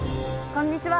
こんにちは。